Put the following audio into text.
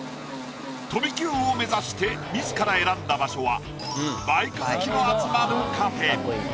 飛び級を目指して自ら選んだ場所はバイク好きが集まるカフェ。